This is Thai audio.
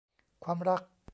ความรัก